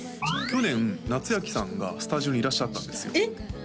去年夏焼さんがスタジオにいらっしゃったんですよえっ！